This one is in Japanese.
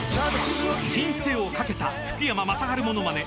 ［人生を懸けた福山雅治モノマネ］